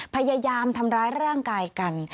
พยายามทำร้ายร่างกายกัน